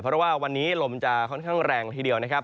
เพราะว่าวันนี้ลมจะค่อนข้างแรงละทีเดียวนะครับ